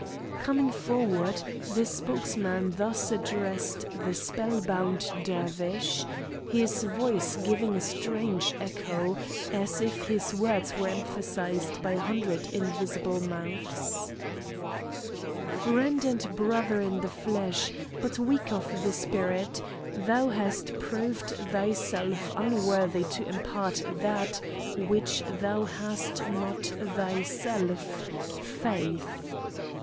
Coming forward, the spokesman thus addressed the spell bound Dervish, his voice giving a strange echo, as if his words were emphasized by a hundred invisible mouths: "Friend and brother in the flesh, but weak of the spirit, thou hast proved thyself unworthy to impart that which thou hast not thyself, Faith!